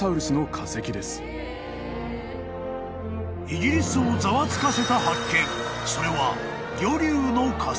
［イギリスをざわつかせた発見それは］